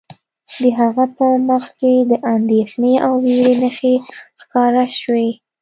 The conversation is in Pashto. د هغه په مخ کې د اندیښنې او ویرې نښې ښکاره شوې